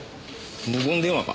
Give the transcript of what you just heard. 無言電話か。